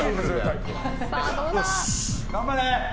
頑張れ！